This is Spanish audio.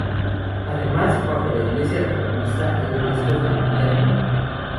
Además, bajo la iglesia reformista hay restos de una villa romana.